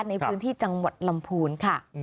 ในพื้นที่จังหวัดลำพูนค่ะ